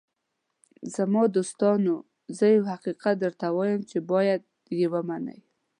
“زما دوستانو، زه یو حقیقت درته لرم چې باید یې ومنئ.